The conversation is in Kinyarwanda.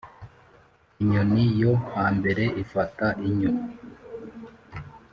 inyoni yo hambere ifata inyo